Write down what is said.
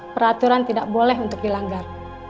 peraturan tidak boleh untuk dilanggar